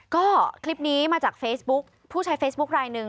ก็คลิปนี้มาจากเฟซบุ๊คผู้ใช้เฟซบุ๊คลายหนึ่ง